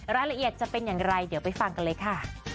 รายละเอียดจะเป็นอย่างไรเดี๋ยวไปฟังกันเลยค่ะ